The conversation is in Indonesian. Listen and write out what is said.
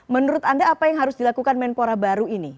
menurut anda apa yang harus dilakukan menpora baru ini